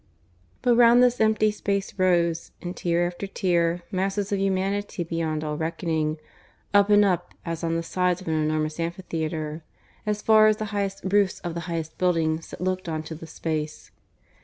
But round this empty space rose, in tier after tier, masses of humanity beyond all reckoning, up and up, as on the sides of an enormous amphitheatre, as far as the highest roofs of the highest buildings that looked on to the space.